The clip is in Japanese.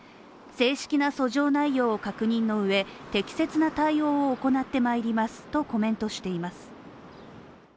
正式な訴状内容を確認の上、適切な対応を行ってまいりますとコメントしています。